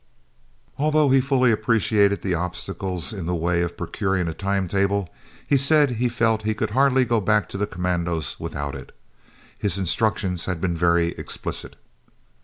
Although he fully appreciated the obstacles in the way of procuring a time table, he said he felt he could hardly go back to the commandos without it. His instructions had been very explicit.